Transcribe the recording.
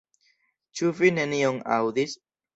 Ĉu vi nenion aŭdis?